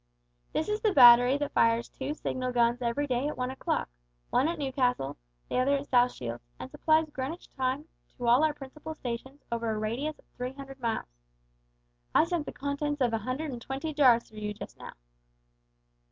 This is the battery that fires two signal guns every day at one o'clock one at Newcastle, the other at South Shields, and supplies Greenwich time to all our principal stations over a radius of three hundred miles. I sent the contents of one hundred and twenty jars through you just now!"